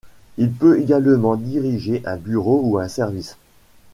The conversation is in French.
Il peut également diriger un bureau ou un service.